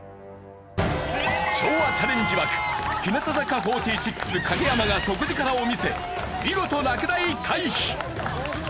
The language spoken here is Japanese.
昭和チャレンジ枠日向坂４６影山が底力を見せ見事落第回避！